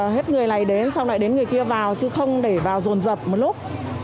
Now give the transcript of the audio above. hết người này đến xong lại đến người kia vào chứ không để vào rồn rập một lúc